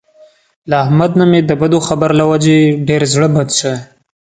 له احمد نه مې د بدو خبر له وجې ډېر زړه بد شوی.